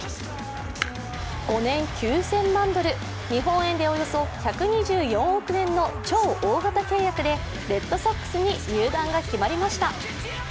５年９０００万ドル日本円でおよそ１２４億円の超大型契約でレッドソックスに入団が決まりました。